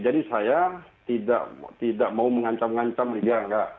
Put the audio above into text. jadi saya tidak mau mengancam ngancam liga